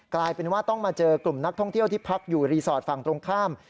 กลายเป็นว่าต้องมาเจอกลุ่มนักท่องเที่ยวที่พักอยู่รีสอร์ทฝั่งตรงข้าม